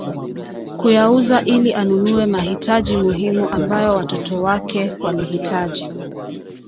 kuyauza ili anunue mahitaji muhimu ambayo watoto wake walihitaji